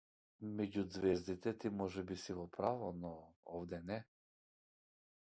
Меѓу ѕвездите ти можеби си во право, но овде не.